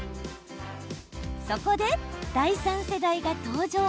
そこで第三世代が登場。